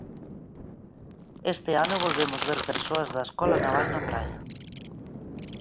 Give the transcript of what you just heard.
"Este ano volvemos ver persoas da escola naval na praia".